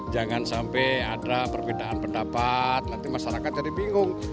jangan sampai ada perbedaan pendapat nanti masyarakat jadi bingung